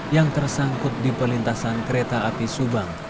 yang tersangkut di perlintasan kereta api subang